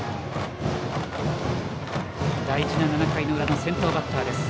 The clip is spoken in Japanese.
大事な７回の裏の先頭バッター。